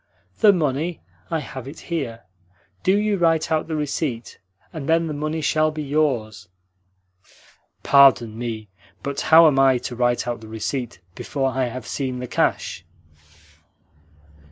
"The money? I have it here. Do you write out the receipt, and then the money shall be yours." "Pardon me, but how am I to write out the receipt before I have seen the cash?"